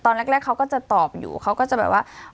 ตอนแรกเขาก็จะตอบอยู่เขาก็จะแบบว่า